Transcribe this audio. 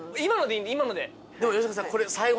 でも吉永さん。